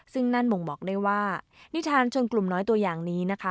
ซึ่งนั่นบ่งบอกได้ว่านิทานชนกลุ่มน้อยตัวอย่างนี้นะคะ